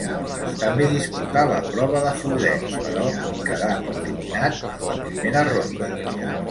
També disputà la prova de floret, però quedà eliminat en la primera ronda.